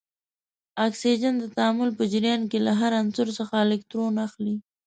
اکسیجن د تعامل په جریان کې له هر عنصر څخه الکترون اخلي.